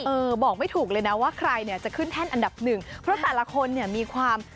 เออบอกไม่ถูกเลยนะว่าใครเนี่ยจะขึ้นแท่นอันดับหนึ่งเพราะแต่ละคนเนี่ยมีความ